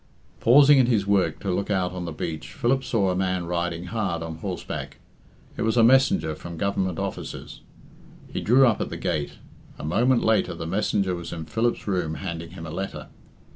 Pausing in his work to look out on the beach, Philip saw a man riding hard on horseback. It was a messenger from Government Offices. He drew up at the gate. A moment later the messenger was in Philip's room handing him a letter.